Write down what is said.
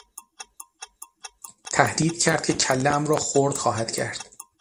تهدید کرد که کلهام را خرد خواهد کرد.